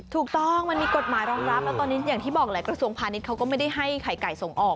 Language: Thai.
ถูกต้องมันมีกฎหมายรองรับแล้วตอนนี้อย่างที่บอกแหละกระทรวงพาณิชย์เขาก็ไม่ได้ให้ไข่ไก่ส่งออก